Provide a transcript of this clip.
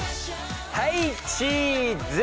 はいチーズ！